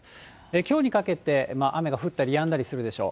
きょうにかけて、雨が降ったりやんだりするでしょう。